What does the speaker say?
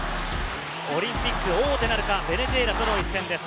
オリンピック王手なるか、ベネズエラとの一戦です。